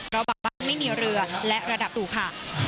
เพราะบางบ้านไม่มีเรือและระดับสูงค่ะ